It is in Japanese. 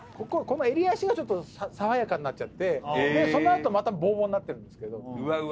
こここの襟足がちょっと爽やかになっちゃってでそのあとまたボーボーになってるんですけどうわ